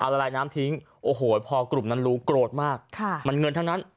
ละลายน้ำทิ้งโอ้โหพอกลุ่มนั้นรู้โกรธมากมันเงินทั้งนั้น